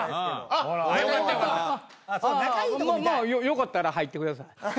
あまあまあよかったら入ってください。